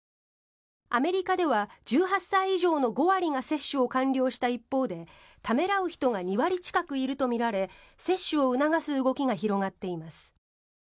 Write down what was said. アメリカでは１８歳以上の５割が接種を完了した一方でためらう人が２割近くいるとみられ接種を促す動きが広がっています。